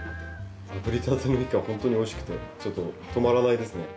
あぶりたてのイカほんとにおいしくてちょっと止まらないですね。